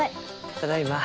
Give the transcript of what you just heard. ただいま。